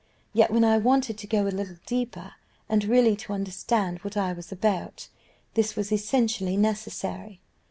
Yet, when I wanted to go a little deeper, and really to understand what I was about, this was essentially necessary.